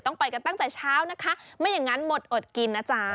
ไปกันตั้งแต่เช้านะคะไม่อย่างนั้นหมดอดกินนะจ๊ะ